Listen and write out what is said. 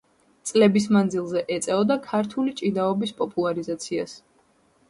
წლების მანძილზე ეწეოდა ქართული ჭიდაობის პოპულარიზაციას.